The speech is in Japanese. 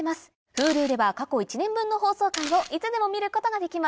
Ｈｕｌｕでは過去１年分の放送回をいつでも見ることができます